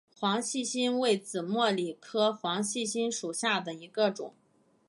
黄细心为紫茉莉科黄细心属下的一个种。